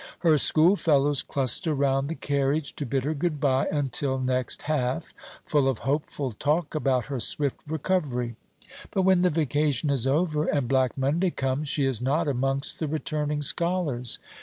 Her schoolfellows cluster round the carriage to bid her "good bye until next half," full of hopeful talk about her swift recovery. But when the vacation is over, and Black Monday comes, she is not amongst the returning scholars.